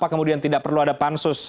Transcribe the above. kemudian tidak perlu ada pansus